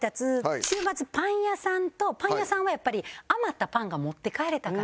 週末パン屋さんとパン屋さんはやっぱり余ったパンが持って帰れたから。